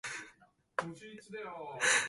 今年は暑い日が続いています